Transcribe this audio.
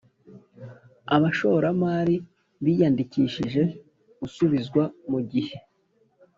abashoramari biyandikishije usubizwa mu gihe